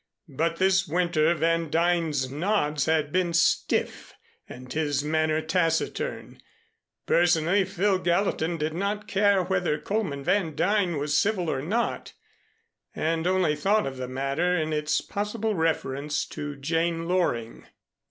But this winter Van Duyn's nods had been stiff and his manner taciturn. Personally, Phil Gallatin did not care whether Coleman Van Duyn was civil or not, and only thought of the matter in its possible reference to Jane Loring.